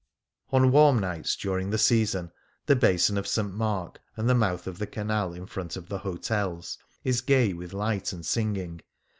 On warm nights during the season, the Basin of St. Mark, and the mouth of the canal in front of the hotels, is gay with light and sing ing.